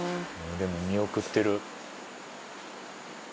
でも見送ってる。